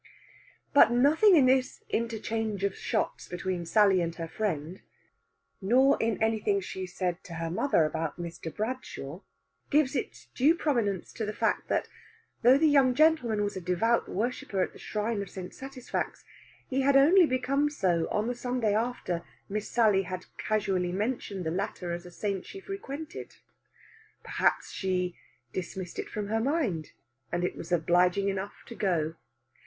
But nothing in this interchange of shots between Sally and her friend, nor in anything she said to her mother about Mr. Bradshaw, gives its due prominence to the fact that, though that young gentleman was a devout worshipper at the shrine of St. Satisfax, he had only become so on the Sunday after Miss Sally had casually mentioned the latter as a saint she frequented. Perhaps she "dismissed it from her mind," and it was obliging enough to go.